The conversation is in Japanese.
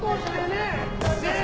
ねえ！